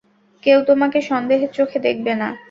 কেউ তোমাকে সন্দেহের চোখে দেখবে না।